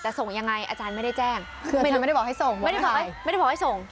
แต่ส่งยังไงอาจารย์ไม่ได้แจ้งไม่ได้บอกให้ส่ง